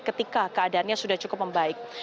ketika keadaannya sudah cukup membaik